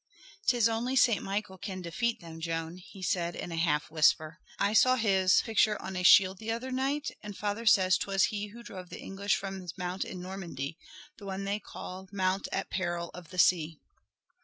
"'Tis only Saint Michael can defeat them, Joan," he said in a half whisper. "I saw his picture on a shield the other night, and father says 'twas he who drove the English from his mount in Normandy, the one they call the Mount at Peril of the Sea."